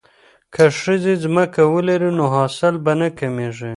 که ښځې ځمکه ولري نو حاصل به نه کمیږي.